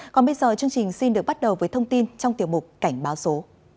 còn bây giờ chương trình xin được bắt đầu với thông tin trong tiểu mục cảnh báo số